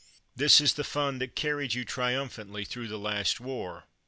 This is the fund that carried you triumphantly through the last war.